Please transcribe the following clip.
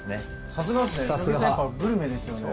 さすがですねグルメですよね。